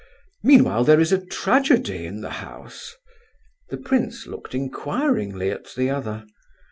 Meanwhile there is a tragedy in the house." The prince looked inquiringly at the other.